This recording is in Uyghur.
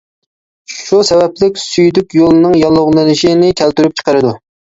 شۇ سەۋەبلىك سۈيدۈك يولىنىڭ ياللۇغلىنىشىنى كەلتۈرۈپ چىقىرىدۇ.